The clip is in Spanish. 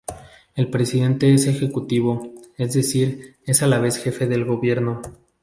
El presidente es ejecutivo, es decir es a la vez jefe del gobierno.